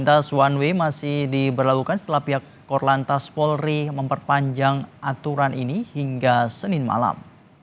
lintas one way masih diberlakukan setelah pihak korlantas polri memperpanjang aturan ini hingga senin malam